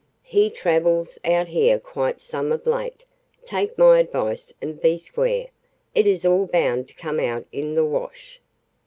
He travels out here quite some of late. Take my advice and be square. It is all bound to come out in the wash."